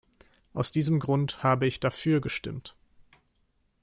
Aus diesem Grund habe ich "dafür" gestimmt.